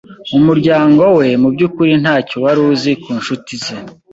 Umuryango we, mubyukuri, ntacyo wari uzi ku nshuti ze.